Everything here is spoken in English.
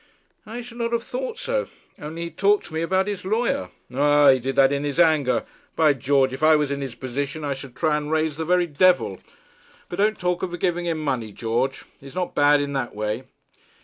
'I should not have thought so; only he talked to me about his lawyer.' 'Ah; he did that in his anger. By George, if I was in his position I should try and raise the very devil. But don't talk of giving him money, George. He's not bad in that way.'